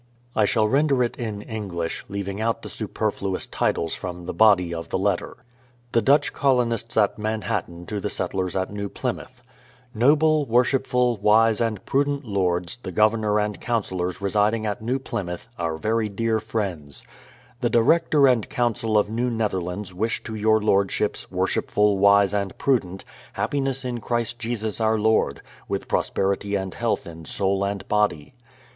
I shall render it in English, leaving out the superfluous titles from the body of the letter. The Dutch colonists at Manhattan to the Settlers at New Plymouth: Noble, worshipful, wise and prudent Lords, the Governor and Councillors residing at New Plymouth, our very dear friends: The Director and Council of New Netherlands wish to your Lordships, worshipful, wise and prudent, happiness in Christ Jesus Our Lord, with prosperity and health in soul and body.